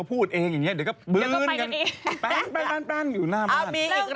แพดเพิ่งบอกเองว่ายอมรับ